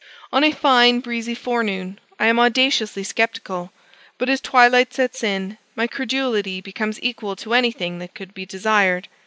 On a fine breezy forenoon I am audaciously sceptical; but as twilight sets in, my credulity becomes equal to anything that could be desired.